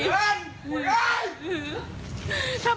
พ่อยังปล่อยให้มัน